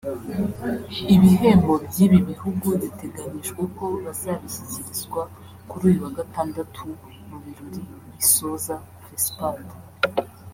Ibihembo by’ibi bihugu biteganijwe ko bazabishyikirizwa kuri uyu wa gatandatu mu birori bisoza Fespad